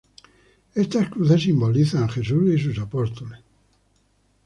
Estas cruces simbolizan a Jesús y sus apóstoles.